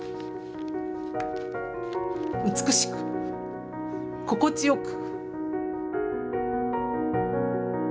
美しく、心地よく。